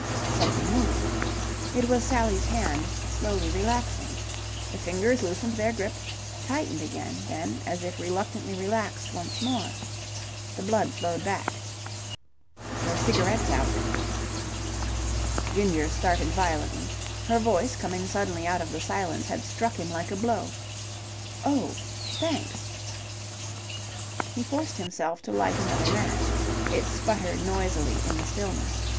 Something moved... It was Sally's hand, slowly relaxing. The fingers loosened their grip, tightened again, then, as if reluctantly relaxed once more. The blood flowed back. "Your cigarette's out." Ginger started violently. Her voice, coming suddenly out of the silence, had struck him like a blow. "Oh, thanks!" He forced himself to light another match. It sputtered noisily in the stillness.